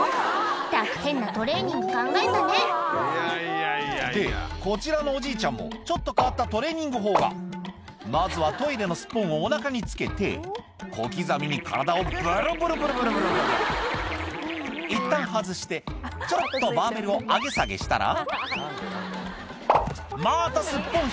ったく変なトレーニング考えたねでこちらのおじいちゃんもちょっと変わったトレーニング法がまずはトイレのスッポンをお腹につけて小刻みに体をブルブルブルブルブルブルブルいったん外してちょっとバーベルを上げ下げしたらまたスッポン